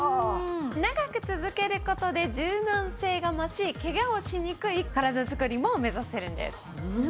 長く続ける事で柔軟性が増しケガをしにくい体づくりも目指せるんです。